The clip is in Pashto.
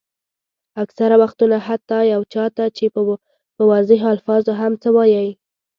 اکثره وختونه حتیٰ یو چا ته چې په واضحو الفاظو هم څه وایئ.